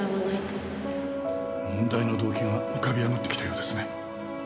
問題の動機が浮かび上がってきたようですね。